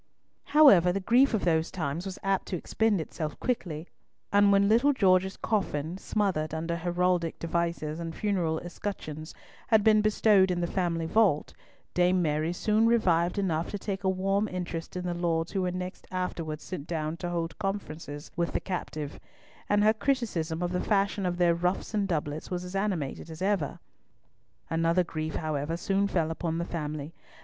However, the grief of those times was apt to expend itself quickly, and when little George's coffin, smothered under heraldic devices and funeral escutcheons, had been bestowed in the family vault, Dame Mary soon revived enough to take a warm interest in the lords who were next afterwards sent down to hold conferences with the captive; and her criticism of the fashion of their ruffs and doublets was as animated as ever. Another grief, however, soon fell upon the family.